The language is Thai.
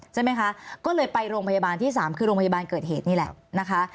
ใช่ไหมคะก็เลยไปโรงพยาบาลที่๓คือโรงพยาบาลเกิดเหตุนี่แหละนะคะ